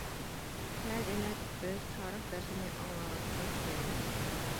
ھە دېمەك، بىز تارىخ دەرسىنى ئاڭلاۋاتقان ئىكەنمىز.